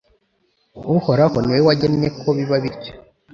Uhoraho ni we wagennye ko biba bityo